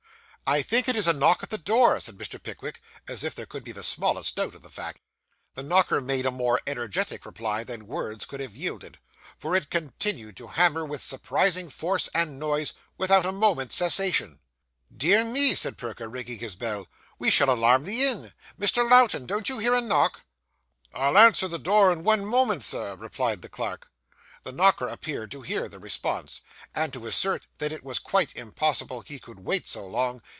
'I think it is a knock at the door,' said Mr. Pickwick, as if there could be the smallest doubt of the fact. The knocker made a more energetic reply than words could have yielded, for it continued to hammer with surprising force and noise, without a moment's cessation. 'Dear me!' said Perker, ringing his bell, 'we shall alarm the inn. Mr. Lowten, don't you hear a knock?' 'I'll answer the door in one moment, Sir,' replied the clerk. The knocker appeared to hear the response, and to assert that it was quite impossible he could wait so long.